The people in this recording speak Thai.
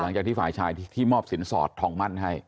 หลังจากที่ฝ่ายชายที่มอบสินสอดทองมั่นให้